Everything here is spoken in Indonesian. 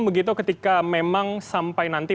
begitu ketika memang sampai nanti